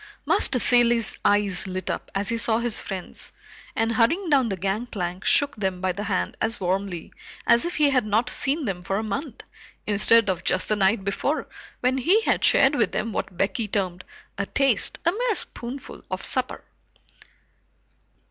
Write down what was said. Master Cilley's eyes lit up as he saw his friends, and hurrying down the gangplank, shook them by the hand as warmly as if he had not seen them for a month, instead of just the night before when he had shared with them what Becky termed, "a taste, a mere spoonful" of supper.